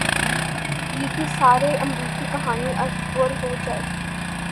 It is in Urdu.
گی کہ ساری امریکی کہانی از بر ہو جائے۔